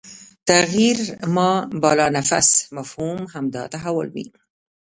تغیر ما بالانفس مفهوم همدا تحول وي